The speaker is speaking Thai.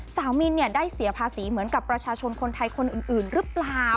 มินได้เสียภาษีเหมือนกับประชาชนคนไทยคนอื่นหรือเปล่า